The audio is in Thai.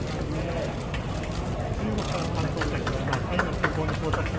สวัสดีครับสวัสดีครับ